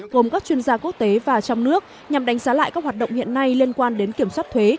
gồm các chuyên gia quốc tế và trong nước nhằm đánh giá lại các hoạt động hiện nay liên quan đến kiểm soát thuế